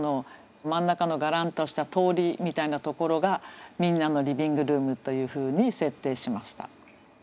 真ん中のがらんとした通りみたいなところがみんなのリビングルームというふうに設定しました。